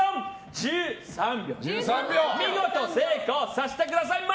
１３秒見事成功させてください。